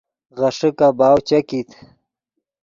غیݰے کباؤ چے کیت